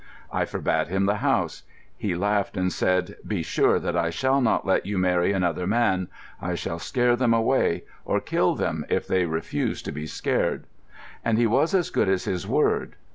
I forbade him the house. He laughed, and said: 'Be sure that I shall not let you marry another man. I shall scare them away, or kill them if they refuse to be scared.' And he was as good as his word.